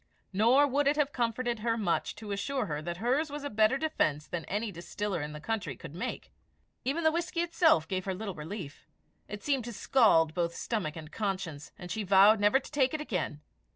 Nor would it have comforted her much to assure her that hers was a better defence than any distiller in the country could make. Even the whisky itself gave her little relief; it seemed to scald both stomach and conscience, and she vowed never to take it again.